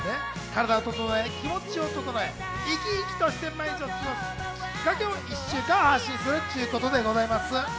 体を整え、気持ちを整え、生き生きとした毎日を過ごすきっかけを１週間発信するっちゅうことでございます。